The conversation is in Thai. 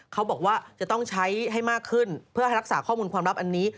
เขาบอกว่าจะต้องใช้ให้มากขึ้นเพื่อให้รักษาข้อมูลความลับอันนี้